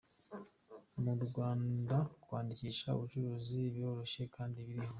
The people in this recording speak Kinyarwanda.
Mu Rwanda kwandikisha ubucuruzi biroroshye kandi birihuta.